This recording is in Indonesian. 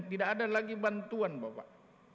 tidak ada lagi bantuan bapak